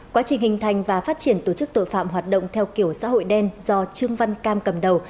quá trình hình thành và phát triển tổ chức tội phạm hoạt động theo kiểu xã hội đen do trương văn cam cầm đầu